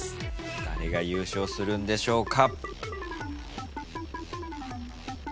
誰が優勝するんでしょうか？